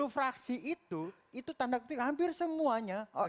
sepuluh fraksi itu itu tanda kutip hampir semuanya